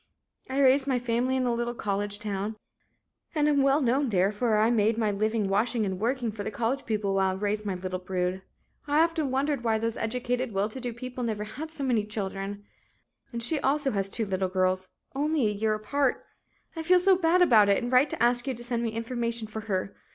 "I raised my family in a little college town in and am well known there, for I made my living washing and working for the college people while I raised my little brood. I often wondered why those educated well to do people never had so many children. I have one married daughter who is tubercular, and she also has two little girls, only a year apart. I feel so bad about it, and write to ask you to send me information for her.